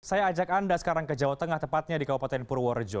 saya ajak anda sekarang ke jawa tengah tepatnya di kabupaten purworejo